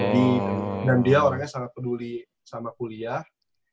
dan dia orangnya sangat peduli sama kuliah